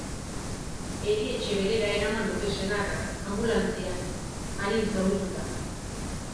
Erietxe berera eraman dute senarra, anbulantzian, arin zaurituta.